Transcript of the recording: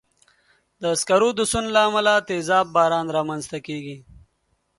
د سکرو د سون له امله تېزاب باران رامنځته کېږي.